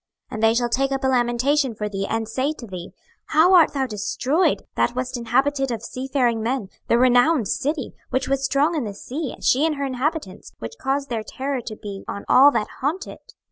26:026:017 And they shall take up a lamentation for thee, and say to thee, How art thou destroyed, that wast inhabited of seafaring men, the renowned city, which wast strong in the sea, she and her inhabitants, which cause their terror to be on all that haunt it!